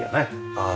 ああ